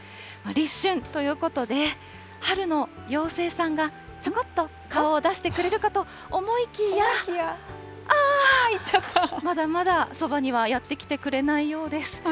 立春ということで、春の妖精さんがちょこっと顔を出してくれるかと思いきや、あー、まだまだそばにはやって来てくれないようです。